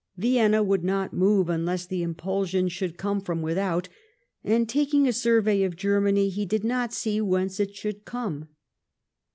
Vienna would not move unless the impulsion should come from without, and, taking a survey of Germany, he did not see whence it should come.